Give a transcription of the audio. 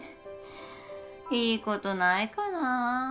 いいことないかな。